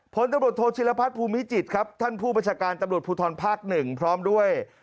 ผลตำรวจโทษธิรพัฒนภูมิจิตครับท่านผู้บัญชาการตำรวจภูทรภาคหนึ่งพร้อมด้วย